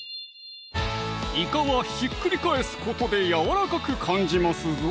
いかはひっくり返すことでやわらかく感じますぞ